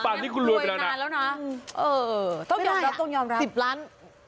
บ้านนี้คุณรวมไปแล้วนะต้องยอมรับ๑๐ล้าน